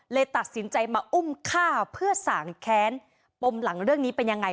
เลยตัดสินใจมาอุ้มฆ่าเพื่อสางแค้นปมหลังเรื่องนี้เป็นยังไง